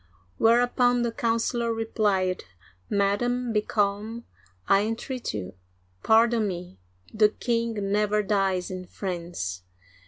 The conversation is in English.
Whereupon the councilor replied :Madam, be calm, I entreat you. Pardon me, the king never dies in France.